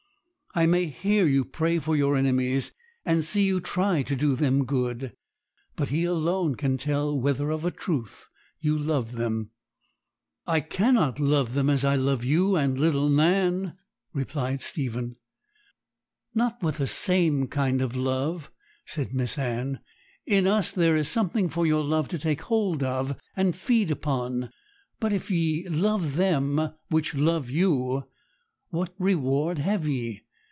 I may hear you pray for your enemies, and see you try to do them good; but He alone can tell whether of a truth you love them.' 'I cannot love them as I love you and little Nan,' replied Stephen. 'Not with the same kind of love,' said Miss Anne; 'in us there is something for your love to take hold of and feed upon. "But if ye love them which love you, what reward have ye?